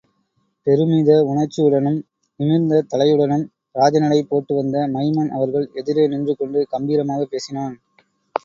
பெருமித உணர்ச்சியுடனும், நிமிர்ந்த தலையுடனும், ராஜநடை போட்டு வந்த மைமன் அவர்கள் எதிரே நின்று கொண்டு கம்பீரமாகப் பேசினான்.